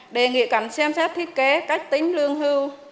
đề nghị cảnh xem xét thiết kế cách tính lương hưu